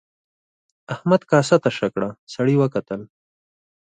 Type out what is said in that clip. احمد کاسه تشه کړه سړي وکتل.